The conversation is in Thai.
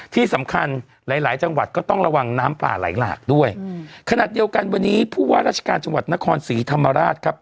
ที่สำคัญหลายหลายจังหวัดก็ต้องระวังน้ำป่าไหลหลากด้วยขณะเดียวกันวันนี้ผู้ว่าราชการจังหวัดนครศรีธรรมราชครับ